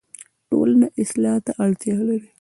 ټولنه اصلاح ته اړتیا لري